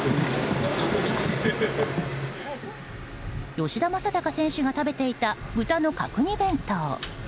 吉田正尚選手が食べていた豚の角煮弁当。